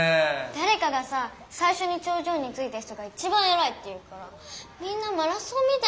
だれかがさ「さいしょにちょう上についた人が一番えらい！」って言うからみんなマラソンみたいに走るんだもん。